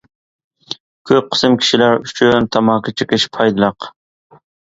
كۆپ قىسىم كىشىلەر ئۈچۈن تاماكا چېكىش پايدىلىق.